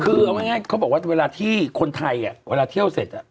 คือเอาง่ายเขาบอกว่าเวลาที่คนไทยเวลาเที่ยวเสร็จ